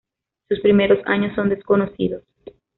Sus primeros años son desconocidos.